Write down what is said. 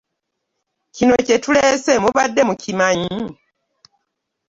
Kino kye tuleese mubadde mukimanyi?